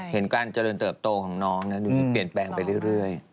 เห็นการเจริญเติบโตของน้องนะหนูเปลี่ยนแปลงไปเรื่อย